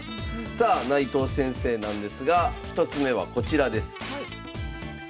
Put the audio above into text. さあ内藤先生なんですが１つ目はこちらです。